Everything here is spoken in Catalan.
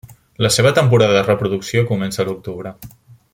La seva temporada de reproducció comença a l'octubre.